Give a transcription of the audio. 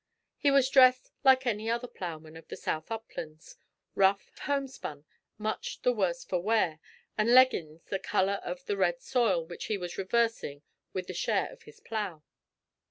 He was dressed like any other ploughman of the south uplands rough homespun much the worse for wear, and leggings the colour of the red soil which he was reversing with the share of his plough.